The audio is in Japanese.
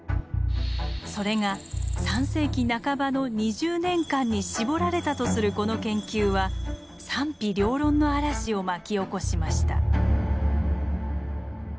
それが３世紀半ばの２０年間に絞られたとするこの研究は賛否両論の嵐を巻き起こしました。